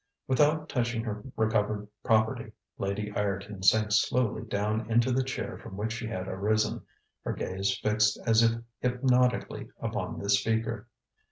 ŌĆØ Without touching her recovered property, Lady Ireton sank slowly down into the chair from which she had arisen, her gaze fixed as if hypnotically upon the speaker.